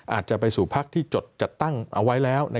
อาจจะไปสู่พักที่จดจัดตั้งเอาไว้แล้ว